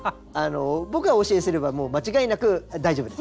僕がお教えすればもう間違いなく大丈夫です。